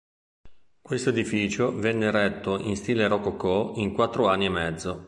Questo edificio venne eretto in stile rococò in quattro anni e mezzo.